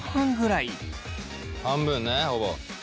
半分ねほぼ。